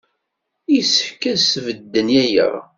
Yessefk ad sbedden aya.